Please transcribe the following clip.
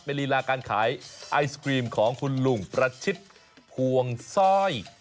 เป็นฤลาการขายไอศกรีมของคุณลุงประชิตพรวงซ่อย